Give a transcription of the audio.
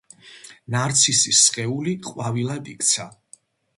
ნარცისის სხეული ყვავილად იქცა.